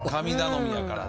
神頼みやから。